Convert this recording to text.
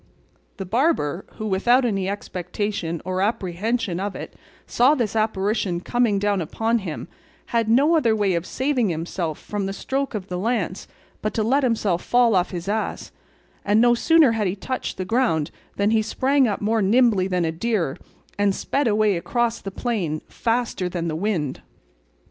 The barber, who without any expectation or apprehension of it saw this apparition coming down upon him, had no other way of saving himself from the stroke of the lance but to let himself fall off his ass; and no sooner had he touched the ground than he sprang up more nimbly than a deer and sped away across the plain faster than the wind.